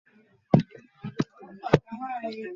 No ball, wide বা dead বলে batsman out হবেন না।